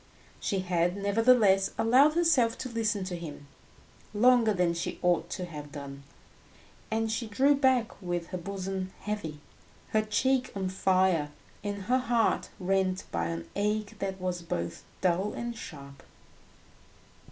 She had, nevertheless, allowed herself to listen to him longer than she ought to have done, and she drew back with her bosom heavy, her cheek on fire, and her heart rent by an ache that was both dull and sharp.